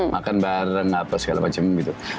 makan bareng apa segala macam gitu